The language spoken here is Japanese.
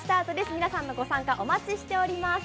皆さんのご参加、お待ちしております。